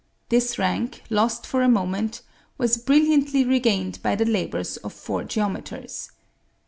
This rank, lost for a moment, was brilliantly regained by the labors of four geometers.